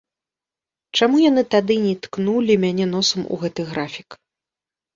Чаму яны тады не ткнулі мяне носам у гэты графік?